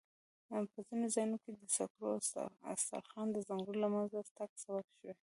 په ځینو ځایونو کې د سکرو استخراج د ځنګلونو له منځه تګ سبب شوی.